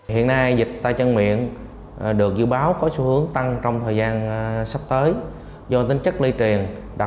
hiện nay dịch tay chân miệng được dự báo có xu hướng tăng trong thời gian sắp tới do tính chất lây truyền